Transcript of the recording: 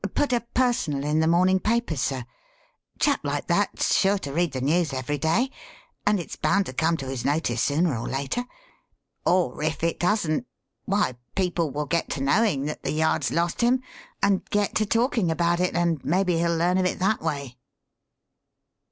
"Put a Personal in the morning papers, sir. Chap like that's sure to read the news every day; and it's bound to come to his notice sooner or later. Or if it doesn't, why, people will get to knowing that the Yard's lost him and get to talking about it and maybe he'll learn of it that way."